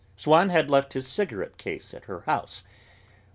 Swann had left his cigarette case at her house.